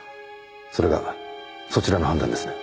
それがそちらの判断ですね？